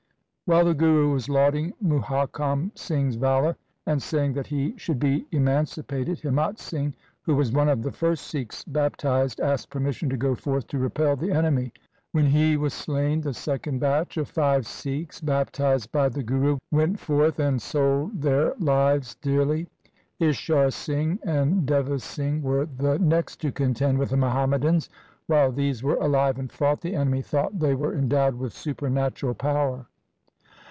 While the Guru was lauding Muhakam Singh's valour, and saying that he should be emancipated, Himmat Singh, who was one of the first Sikhs bap tized, asked permission to go forth to repel the 188 THE SIKH RELIGION enemy. When he was slain the second batch of five Sikhs baptized by the Guru went forth, and sold their lives dearly Ishar Singh and Deva Singh were the next to contend with the Muhammadans. While these were alive and fought, the enemy thought they were endowed with supernatural power.